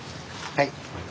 はい。